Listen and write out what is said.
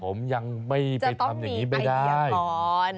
ผมยังไม่ไปทำอย่างนี้ไม่ได้จะต้องมีไอเดียก่อน